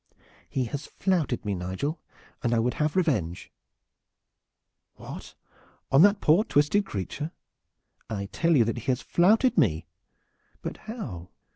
"He has flouted me, Nigel, and I would have revenge." "What on that poor twisted creature?" "I tell you that he has flouted me!" "But how?"